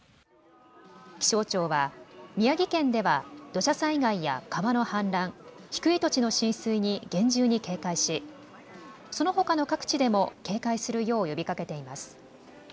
気象庁は宮城県では土砂災害や川の氾濫、低い土地の浸水に厳重に警戒しそのほかの各地でも警戒するよう呼びかけています。